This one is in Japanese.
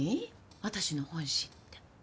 私の本心って。